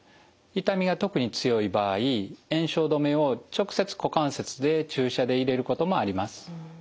痛みが特に強い場合炎症止めを直接股関節へ注射で入れることもあります。